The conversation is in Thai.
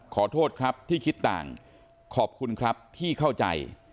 ขอโทษครับที่คิดต่างขอบคุณครับที่เข้าใจ